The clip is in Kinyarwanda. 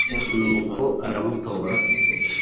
n’uko aramutora)